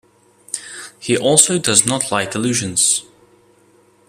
He also does not like illusions.